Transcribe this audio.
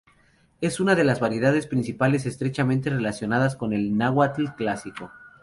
Es una de las variedades principales estrechamente relacionados con el náhuatl clásico.